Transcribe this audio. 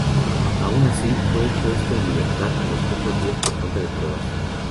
Aun así, fue puesto en libertad a los pocos días por falta de pruebas.